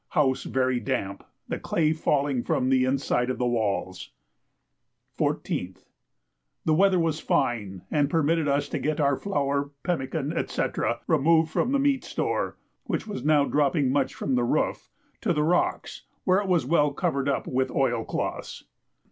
House very damp; the clay falling from the inside of the walls. 14th. The weather was fine and permitted us to get our flour, pemmican, &c., removed from the meat store (which was now dropping much from the roof) to the rocks, where it was well covered up with oilcloths.